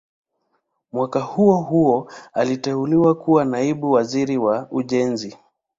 Mwaka huo huo aliteuliwa kuwa Naibu Waziri wa Ujenzi